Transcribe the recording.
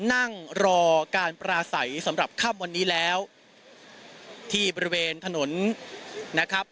นั่งรอการปราศัยสำหรับค่ำวันนี้แล้วที่บริเวณถนนนะครับ